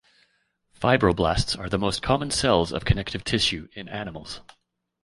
Fibroblasts are the most common cells of connective tissue in animals.